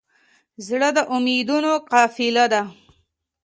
زړه د امیدونو قافله ده.